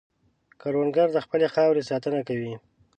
کروندګر د خپلې خاورې ساتنه کوي